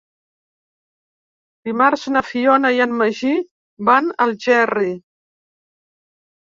Dimarts na Fiona i en Magí van a Algerri.